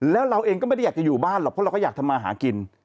แล้วเราเองก็ไม่ได้อยากจะอยู่บ้านหรอกเพราะเราก็อยากทำมาหากิน